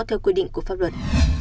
theo quy định của pháp luật